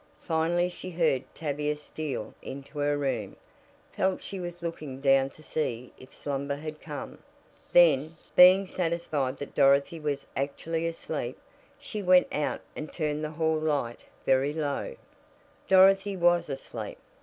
Finally she heard Tavia steal into the room; felt she was looking down to see if slumber had come; then, being satisfied that Dorothy was actually asleep, she went out and turned the hall light very low. Dorothy was asleep.